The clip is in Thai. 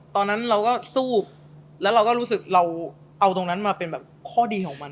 ตอนนั้นเราก็สู้แล้วเราก็รู้สึกเราเอาตรงนั้นมาเป็นแบบข้อดีของมัน